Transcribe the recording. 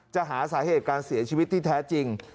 จะหาสาเหตุการเสียชีวิตที่แท้จริง